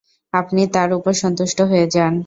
আপনি তার উপর সন্তুষ্ট হয়ে যান।